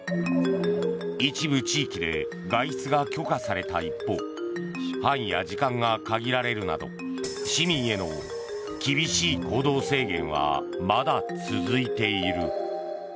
一部地域で外出が許可された一方範囲や時間が限られるなど市民への厳しい行動制限はまだ続いている。